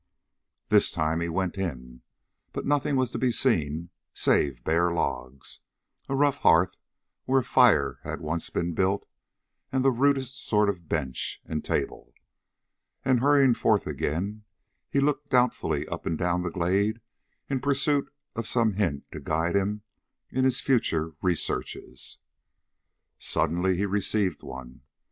This time he went in, but nothing was to be seen save bare logs, a rough hearth where a fire had once been built, and the rudest sort of bench and table; and hurrying forth again, he looked doubtfully up and down the glade in pursuit of some hint to guide him in his future researches. Suddenly he received one.